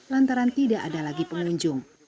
lantaran tidak ada lagi pengunjung